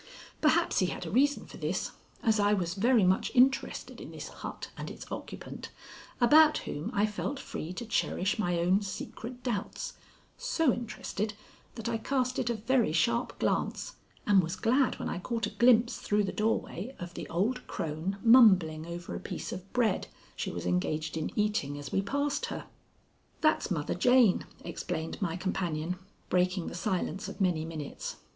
Perhaps he had a reason for this, as I was very much interested in this hut and its occupant, about whom I felt free to cherish my own secret doubts so interested that I cast it a very sharp glance, and was glad when I caught a glimpse through the doorway of the old crone mumbling over a piece of bread she was engaged in eating as we passed her. "That's Mother Jane," explained my companion, breaking the silence of many minutes.